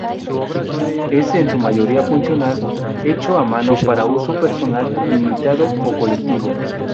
Es, en su mayoría, funcional, hecho a mano para uso personal, limitado o colectivo.